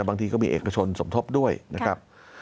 บางทีก็มีเอกชนสมทบด้วยนะครับ